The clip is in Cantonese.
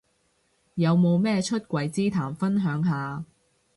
有冇咩出櫃之談分享下